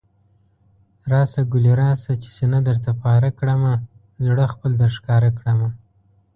راشه ګلي راشه، چې سينه درته پاره کړمه، زړه خپل درښکاره کړمه